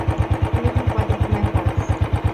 Nimic nu poate fi mai fals.